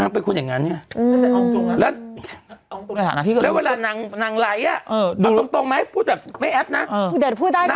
ปุ๊บปุ๊บปุ๊บปุ๊บปุ๊บปุ๊บ